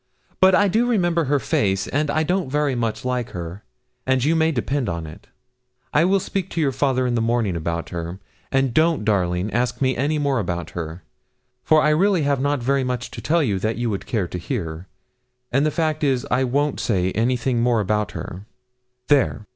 But I do remember her face, and I don't very much like her, and you may depend on it, I will speak to your father in the morning about her, and don't, darling, ask me any more about her, for I really have not very much to tell that you would care to hear, and the fact is I won't say any more about her there!'